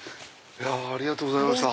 いやありがとうございました。